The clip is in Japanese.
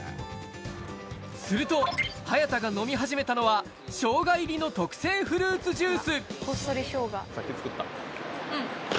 すると、早田が飲み始めたのはショウガ入りの特製フルーツジュース。